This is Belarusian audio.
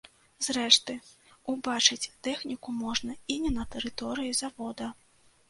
Зрэшты, убачыць тэхніку можна і не на тэрыторыі завода.